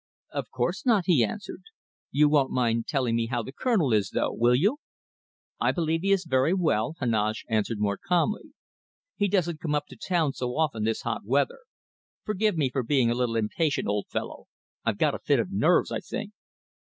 "Of course not," he answered. "You won't mind telling me how the Colonel is, though, will you?" "I believe he is very well," Heneage answered, more calmly. "He doesn't come up to town so often this hot weather. Forgive me for being a bit impatient, old fellow. I've got a fit of nerves, I think."